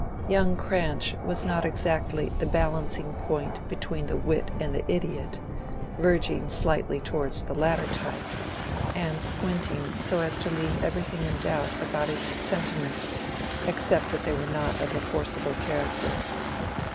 Young Cranch was not exactly the balancing point between the wit and the idiot,—verging slightly towards the latter type, and squinting so as to leave everything in doubt about his sentiments except that they were not of a forcible character.